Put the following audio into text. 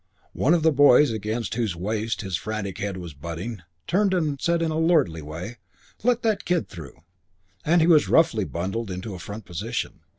One of the boys against whose waist his frantic head was butting turned and said in a lordly way, "Let that kid through," and he was roughly bundled to a front position.